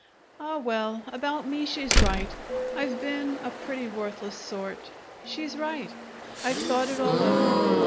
Ah, well, about me she's right. I've been a pretty worthless sort. She's right. I've thought it all over.